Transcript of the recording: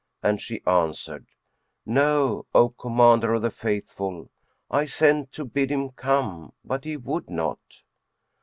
and she answered, "No, O Commander of the Faithful, I sent to bid him come, but he would not."